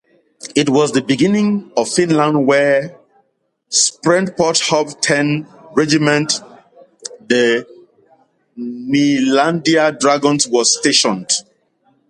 It was to begin in Finland where Sprengtporten's regiment the Nylandia dragoons, was stationed.